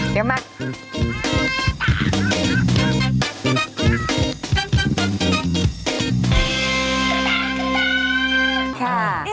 เดี๋ยวมา